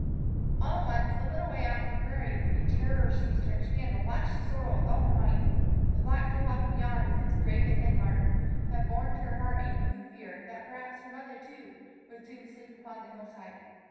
All at once, a little way out on the prairie, a terror seized her, and she began to lash the sorrel with all her might. The black hillock behind, with its graven head mark, had borne to her heart a new fear that perhaps her mother, too, would soon sleep upon the hillside.